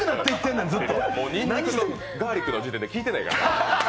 にんにくとガーリックの時点でもう聞いてないから。